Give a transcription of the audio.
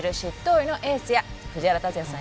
医のエースや藤原竜也さん